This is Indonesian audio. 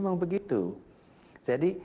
memang begitu jadi